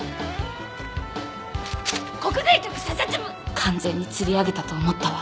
完全に釣り上げたと思ったわ。